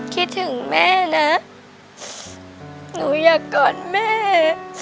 คิดถึงแม่นะหนูอยากกอดแม่